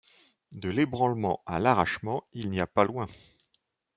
De l’ébranlement à l’arrachement il n’y a pas loin.